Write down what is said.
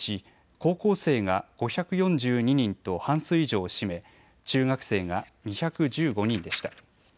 高校生が５４２人と半数以上を占め中学生が２１５人でした。